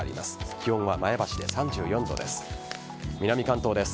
気温は前橋で３４度です。